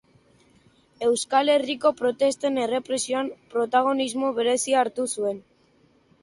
Euskal Herriko protesten errepresioan, protagonismo berezia hartu zuen.